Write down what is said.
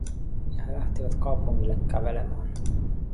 Ja he lähtivät kaupungille kävelemään.